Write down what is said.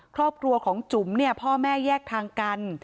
ครอบครัวของจุ๋มเนี่ยพ่อแม่แยกทางกัน